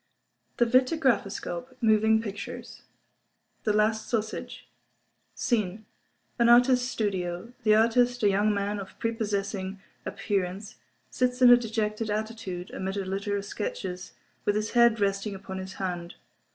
The Vitagraphoscope (Moving Pictures) The Last Sausage SCENE—An Artist's Studio. The artist, a young man of prepossessing appearance, sits in a dejected attitude, amid a litter of sketches, with his head resting upon his hand.